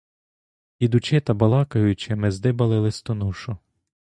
Ідучи та балакаючи, ми здибали листоношу.